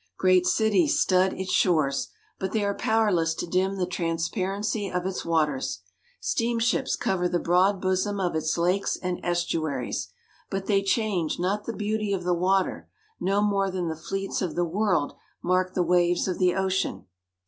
Great cities stud its shores; but they are powerless to dim the transparency of its waters. Steam ships cover the broad bosom of its lakes and estuaries; but they change not the beauty of the water, no more than the fleets of the world mark the waves of the ocean.